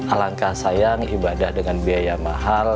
alangkah sayang ibadah dengan biaya mahal